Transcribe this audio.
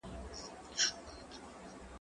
زه پرون سندري وايم